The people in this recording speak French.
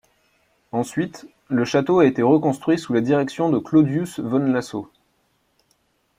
Ensuite, le château a été reconstruit sous la direction de Claudius von Lassaulx.